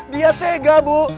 dia tega bu